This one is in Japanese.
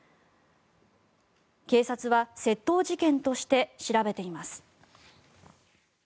警察は窃盗事件として調べています。